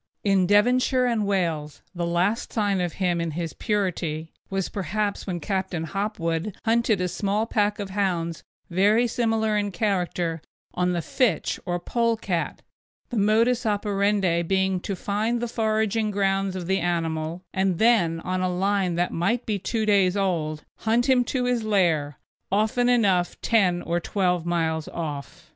In Devonshire and Wales the last sign of him in his purity was perhaps when Captain Hopwood hunted a small pack of hounds very similar in character on the fitch or pole cat; the modus operandi being to find the foraging grounds of the animal, and then on a line that might be two days old hunt him to his lair, often enough ten or twelve miles off.